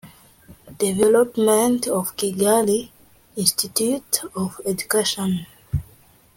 Development of Kigali Institute of Education